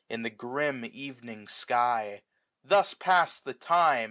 In the grim evening sky. Thus pass'd the time.